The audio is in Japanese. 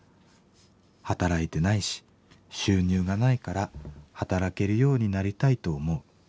働いてないし収入がないから働けるようになりたいと思う。